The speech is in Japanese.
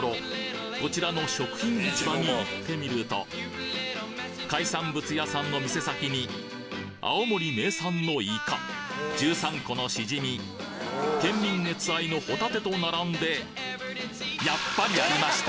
こちらの食品市場に行ってみると海産物屋さんの店先に青森名産のイカ十三湖のしじみ県民熱愛のホタテと並んでやっぱりありました。